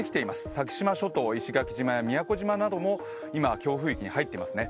先島諸島、石垣島や宮古島なども今、強風域に入っていますね。